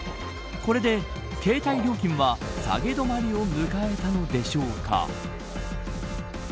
これで携帯料金は下げ止まりを迎えたのでしょうか。